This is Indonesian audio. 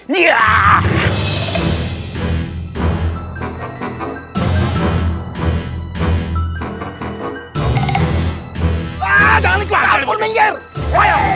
wah jangan ikut kapun menjijik